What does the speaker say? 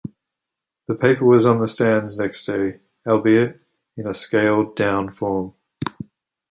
The paper was on the stands the next day, albeit in scaled-down form.